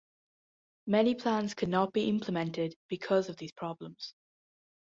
Many plans could not be implemented because of these problems.